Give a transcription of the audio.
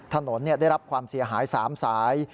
ถนนได้รับความเสียหาย๓สาย